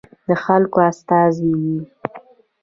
د خلکو استازي وو.